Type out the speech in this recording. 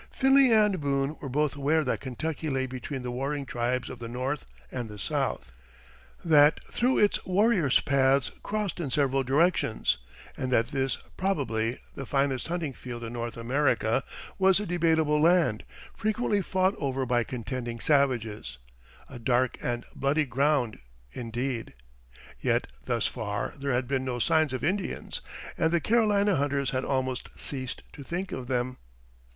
Finley and Boone were both aware that Kentucky lay between the warring tribes of the North and the South; that through it warriors' paths crossed in several directions; and that this, probably the finest hunting field in North America, was a debatable land, frequently fought over by contending savages a "dark and bloody ground" indeed. Yet thus far there had been no signs of Indians, and the Carolina hunters had almost ceased to think of them.